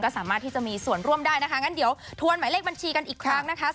กับใครที่พอจะมีทรัพย์เหลือกันได้